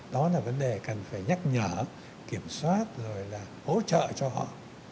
đó là vấn đề cần phải nhắc nhở kiểm soát rồi là hỗ trợ cho họ